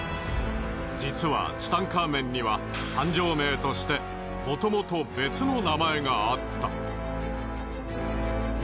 実はツタンカーメンには誕生名としてもともと別の名前があった。